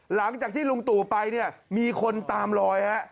หลังจากที่ลุงตู่ไปเนี่ยมีคนตามลอยฮะ